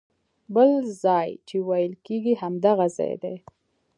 بل ځای چې ویل کېږي همدغه ځای دی.